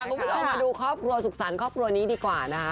คุณผู้ชมมาดูครอบครัวสุขสรรค์ครอบครัวนี้ดีกว่านะคะ